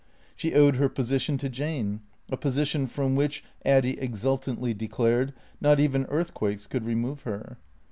She owed her position to Jane, a position from which, Addy exultantly declared, not even earthquakes could remove her.